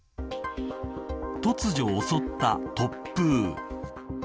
突如襲った突風。